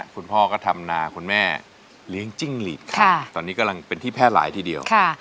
คุณพ่อก็ทำนาคุณแม่เลี้ยงจิ้งหลีดตอนนี้กำลังเป็นที่แพร่หลายทีเดียว